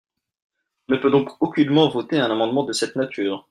On ne peut donc aucunement voter un amendement de cette nature.